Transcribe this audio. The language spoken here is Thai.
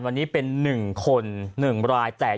วันนี้เป็นหนึ่งคนหนึ่งรายแตก